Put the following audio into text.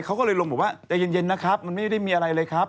เขาก็เลยลงบอกว่าใจเย็นนะครับมันไม่ได้มีอะไรเลยครับ